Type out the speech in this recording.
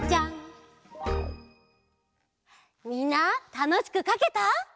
みんなたのしくかけた？